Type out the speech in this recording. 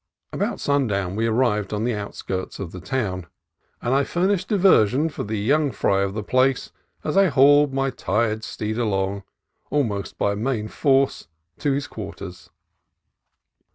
About sundown we arrived on the outskirts of the town, and I furnished diversion for the young fry of the place as I hauled my tired steed along, almost by main force, to his quarters.